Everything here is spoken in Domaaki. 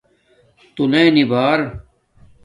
تݸلنی بار